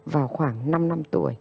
vào khoảng năm năm tuổi